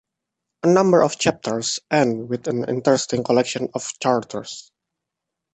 A number of chapters end with an interesting collection of charters.